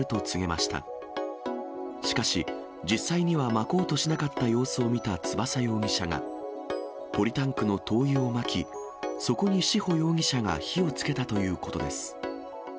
しかし、実際にはまこうとしなかった様子を見た翼容疑者が、ポリタンクの灯油をまき、そこに志保容疑者が火をつけたということです。